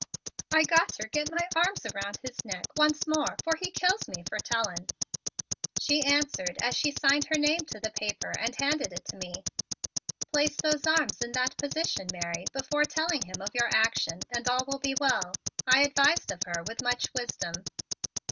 "I got ter get my arms around his neck once more 'fore he kills me fer telling," she answered as she signed her name to the paper and handed it to me. "Place those arms in that position, Mary, before telling him of your action and all will be well," I advised of her with much wisdom.